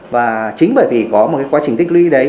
và chính bởi vì có một cái quá trình tích lũy đấy